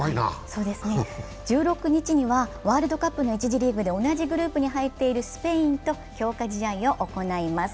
１６日にはワールドカップの１次リーグで同じグループに入っているスペインと強化試合を行います。